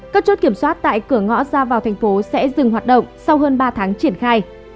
các chốt kiểm soát tại cửa ngõ ra vào thành phố sẽ dừng hoạt động sau hơn ba tháng triển khai